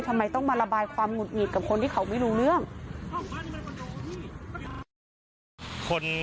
ทำไมต้องมาระบายความหุดหงิดกับคนที่เขาไม่รู้เรื่อง